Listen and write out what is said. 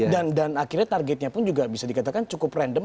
dan akhirnya targetnya pun juga bisa dikatakan cukup random